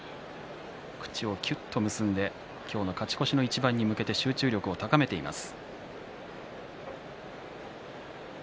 口をきゅっと結んで今日の勝ち越しの一番に向けて集中力を高めています。